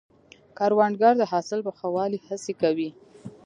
کروندګر د حاصل په ښه والي هڅې کوي